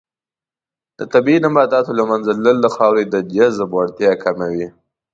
د طبیعي نباتاتو له منځه تلل د خاورې د جذب وړتیا کموي.